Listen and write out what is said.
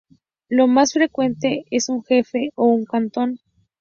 Lo más frecuente es un "jefe" o un "cantón".